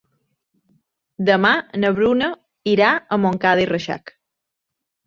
Demà na Bruna irà a Montcada i Reixac.